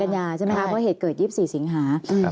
๒๓กันยาใช่ไหมครับเพราะเหตุเกิด๒๔สิงหา